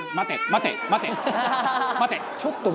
待て！